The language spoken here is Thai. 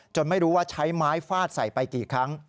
ไม่รู้ว่าใช้ไม้ฟาดใส่ไปกี่ครั้ง